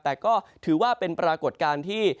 แต่ก็ถือว่าเป็นปรากฏการณ์ที่